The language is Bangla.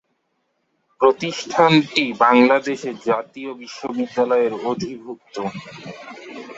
প্রতিষ্ঠানটি বাংলাদেশের জাতীয় বিশ্ববিদ্যালয়ের অধিভুক্ত।